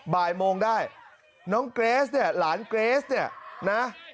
บ่ายโมงได้น้องเกรสเนี่ยหลานเกรสเนี่ยนะ